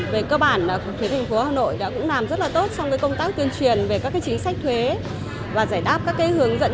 về cơ bản thì tp hà nội đã cũng làm rất là tốt trong công tác tuyên truyền về các chính sách thuế và giải đáp các hướng dẫn